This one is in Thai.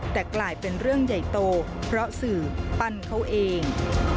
แต่กลายเป็นเรื่องใหญ่โตเพราะสื่อปั้นเขาเอง